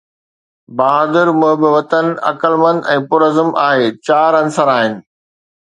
بهادر، محب وطن، عقلمند ۽ پرعزم اهي چار عنصر آهن.